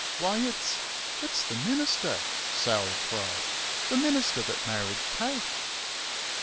"Why, it's it's the minister!" Sal cried "the minister that married Kate!"